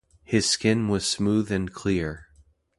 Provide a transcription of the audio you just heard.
His skin was smooth and clear.